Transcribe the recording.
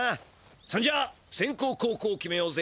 そんじゃ先こう後こうを決めようぜ。